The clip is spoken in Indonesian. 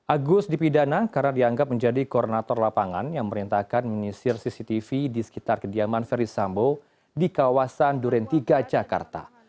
agus dipidana karena dianggap menjadi koronator lapangan yang merintahkan menisir cctv di sekitar kediaman ferisambo di kawasan durentiga jakarta